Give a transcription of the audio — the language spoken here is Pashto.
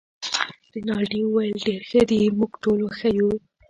رینالډي وویل: ډیر ښه دي، موږ ټوله ښه یو.